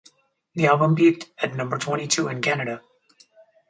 The album peaked at number twenty-two in Canada.